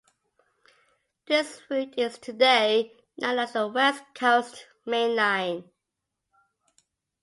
This route is today known as the West Coast Main Line.